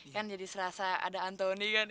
kan jadi serasa ada antoni kan